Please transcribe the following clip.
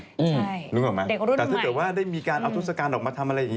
ใช่นึกออกไหมแต่ถ้าเกิดว่าได้มีการเอาทศกัณฐ์ออกมาทำอะไรบ้าง